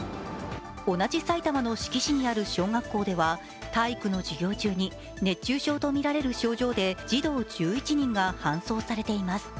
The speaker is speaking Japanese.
同じ埼玉の志木市にある小学校では体育の授業中に熱中症とみられる症状で児童１１人が搬送されています。